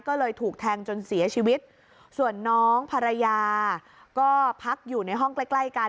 ก็เลยถูกแทงจนเสียชีวิตส่วนน้องภรรยาก็พักอยู่ในห้องใกล้ใกล้กัน